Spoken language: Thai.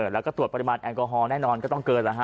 แล้วก็ตรวจปริมาณแอลกอฮอลแน่นอนก็ต้องเกินแล้วฮะ